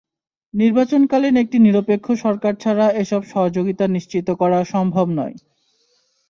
নির্বাচনকালীন একটি নিরপেক্ষ সরকার ছাড়া এসব সহযোগিতা নিশ্চিত করা সম্ভব নয়।